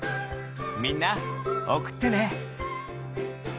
みんなおくってね。